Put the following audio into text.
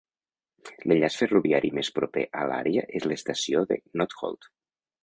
L'enllaç ferroviari més proper a l'àrea és l'estació de Knockholt.